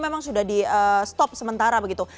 memang sudah di stop sementara begitu